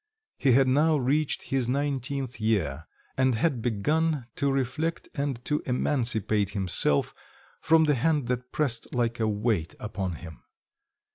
He had now reached his nineteenth year, and had begun to reflect and to emancipate himself from the hand that pressed like a weight upon him.